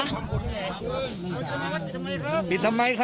พระระบุว่าจะมารับคนให้เดินทางเข้าไปในวัดพระธรรมกาลนะคะ